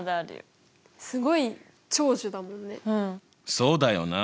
そうだよな。